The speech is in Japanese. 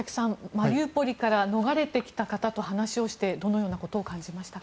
マリウポリから逃れてきた方と話をしてどのようなことを感じましたか？